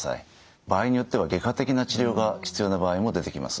場合によっては外科的な治療が必要な場合も出てきます。